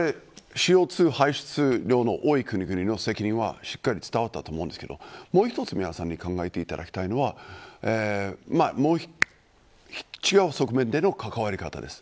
ＣＯ２の排出量の多い国々の責任はしっかりと伝わったと思いますがもう一つ、皆さんに考えていただきたいのは違う側面での関わり方です。